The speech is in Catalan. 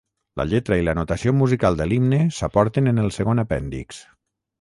La lletra i la notació musical de l'himne s'aporten en el segon apèndix.